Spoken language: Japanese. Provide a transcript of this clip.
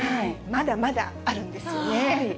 まだまだあるんですよね。